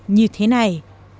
như thế này